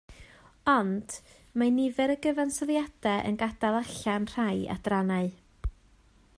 Ond, mae nifer o gyfansoddiadau yn gadael allan rhai adrannau